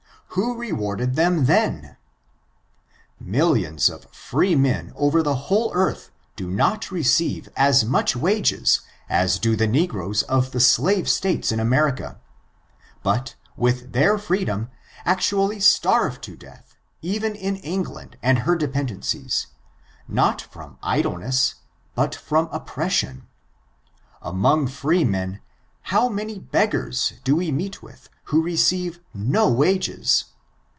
Who rewarded them then 1 Millions of free nien over the whole earth, do not receive as much wages as do the negroes of the slave states in America; but, with their freedom, actually starve to death, even in England and her dependen cies, not from idleness, but from oppression. Among freemen, how many beggars do we meet with, who have received no wages